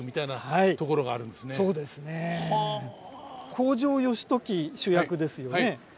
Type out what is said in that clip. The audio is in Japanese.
北条義時主役ですよね。